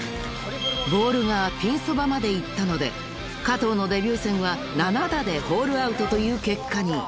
［ボールがピンそばまでいったので加藤のデビュー戦は７打でホールアウトという結果に］